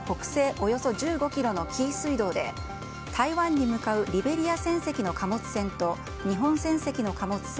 およそ１５ｋｍの紀伊水道で台湾に向かうリベリア船籍の貨物船と日本船籍の貨物船